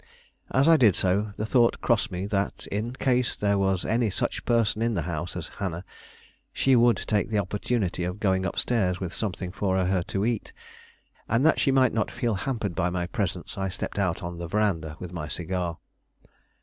As I did so, the thought crossed me that, in case there was any such person in the house as Hannah, she would take the opportunity of going up stairs with something for her to eat; and that she might not feel hampered by my presence, I stepped out on the veranda with my cigar.